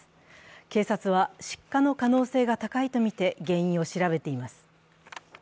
警察は失火の可能性が高いとみて原因を調べています。